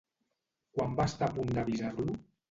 Quan va estar a punt d'avisar-lo?